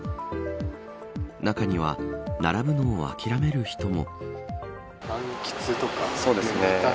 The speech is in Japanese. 中には、並ぶのを諦める人も。